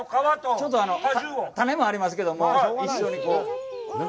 ちょっと種もありますけども一緒にこう。